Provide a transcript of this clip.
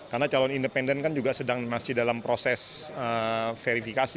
karena calon independen kan juga sedang masih dalam proses verifikasi ya